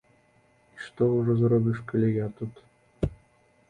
І што ўжо зробіш, калі я тут.